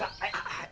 はい。